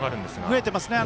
増えていますね。